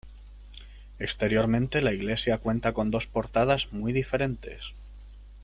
Exteriormente la iglesia cuenta con dos portadas muy diferentes.